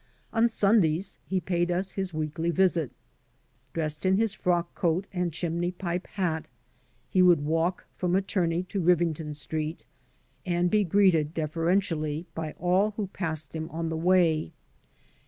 On Sundays he paid us his weekly visit. Dressed in his frock coat and chimney pipe hat> he would walk from Attorney to Rivington Street and be greeted deferentially by all who passed him on the way.